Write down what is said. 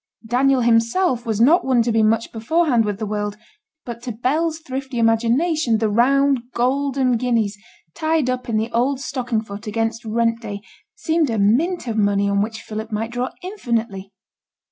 Daniel himself was not one to be much beforehand with the world; but to Bell's thrifty imagination the round golden guineas, tied up in the old stocking foot against rent day, seemed a mint of money on which Philip might draw infinitely.